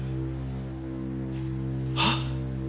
はっ？